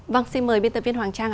vâng xin mời biên tập viên hoàng trang ạ